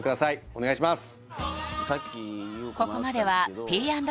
お願いします